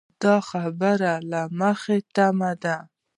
د خبر له مخې تمه ده